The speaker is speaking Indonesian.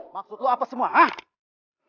maksud lu apa semua hah